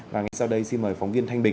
và ngay sau đây xin mời phóng viên thanh bình